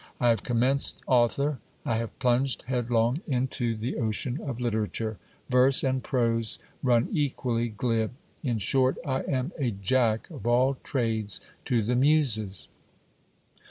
I have commenced author, have plunged head long into the ocean of literature ; verse and prose run equally glib ; in short I am a jack of all trades to the muses.